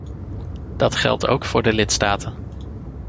Dat geldt ook voor de lidstaten.